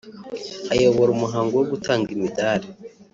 Ayobora umuhango wo gutanga imidali